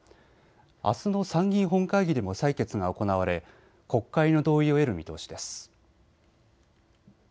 あすの参議院本会議でも採決が行われ国会の同意を得る見通しです。